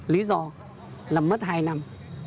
lý do là mất hai năm